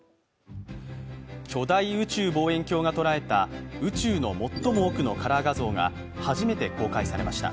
巨大宇宙望遠鏡がとらえた宇宙の最も奥のカラー画像が初めて公開されました。